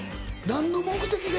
何の目的で？